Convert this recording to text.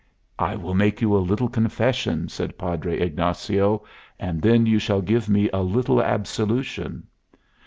"I will make you a little confession," said Padre Ignacio, "and then you shall give me a little absolution."